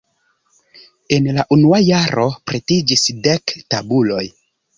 En la unua jaro pretiĝis dek tabuloj.